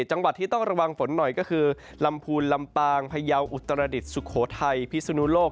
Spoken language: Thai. จังหวัดที่ต้องระวังฝนหน่อยก็คือลำพูนลำปางพยาวอุตรดิษฐสุโขทัยพิสุนุโลก